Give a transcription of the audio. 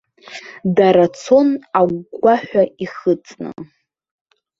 Дара цон агәгәаҳәа ихыҵны.